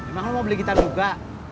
emang mau beli gitar juga